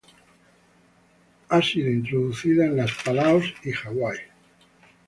Ha sido introducida en las Palaos y Hawái.